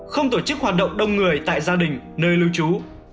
không tổ chức hoạt động đông người tại gia đình nơi lưu trú